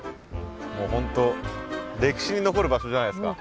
本当歴史に残る場所じゃないですか。